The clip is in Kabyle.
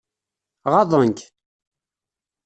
Ɣaḍen-k?